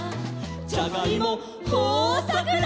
「じゃがいもほうさくだ！」